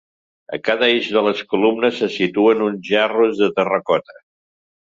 A cada eix de les columnes se situen uns gerros de terracota.